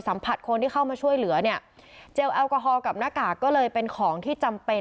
คนที่เข้ามาช่วยเหลือเนี่ยเจลแอลกอฮอล์กับหน้ากากก็เลยเป็นของที่จำเป็น